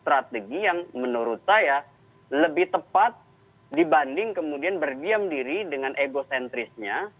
strategi yang menurut saya lebih tepat dibanding kemudian berdiam diri dengan egocentrisnya